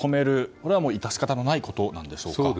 これは致し方のないことでしょうか。